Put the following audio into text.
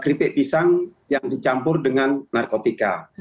keripik pisang yang dicampur dengan narkotika